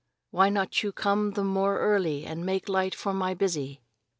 Why you not come the more early and make light for my busy?"